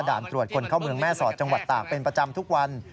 ตรวจคนเข้าเมืองแม่สอดจังหวัดตากเป็นประจำทุกวัน